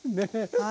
はい。